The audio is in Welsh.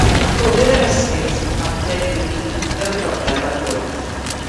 Rhoddir yr esgyrn sy'n cyfateb i rif cyntaf y broblem ar y bwrdd.